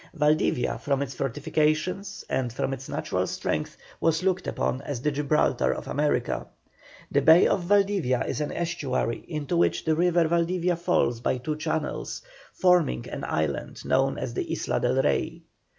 Valdivia from its fortifications and from its natural strength, was looked upon as the Gibraltar of America. The bay of Valdivia is an estuary into which the river Valdivia falls by two channels, forming an island known as the Isla del Rey.